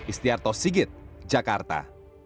istiarto sigit jakarta